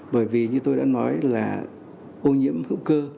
bởi vì như tôi đã nói là ô nhiễm hữu cơ